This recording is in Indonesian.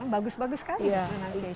bagus bagus kan itu pronunciation nya